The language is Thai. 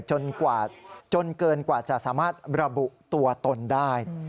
จนเกินกว่าจะสามารถระบุตัวตนได้